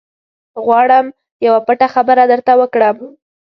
غواړم یوه پټه خبره ورته وکړم.